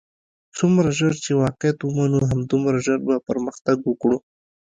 څومره ژر چې واقعیت ومنو همدومره ژر بۀ پرمختګ وکړو.